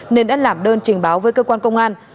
nên đã làm đơn trình báo với cơ quan công an